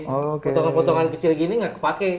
potongan potongan kecil gini nggak kepake